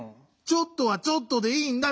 「ちょっと」は「ちょっと」でいいんだ！